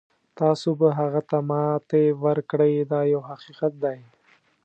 تاسو به هغه ته ماتې ورکړئ دا یو حقیقت دی.